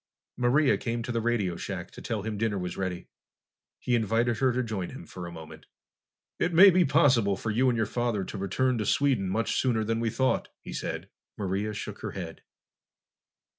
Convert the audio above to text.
Maria came to the radio shack to tell him dinner was ready. He invited her to join him for a moment. "It may be possible for you and your father to return to Sweden much sooner that we thought," he said. Maria shook her head.